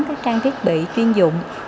các trang thiết bị chuyên dụng